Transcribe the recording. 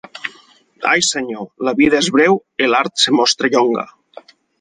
Ai senyor, la vida és breu e l'art se mostra llonga!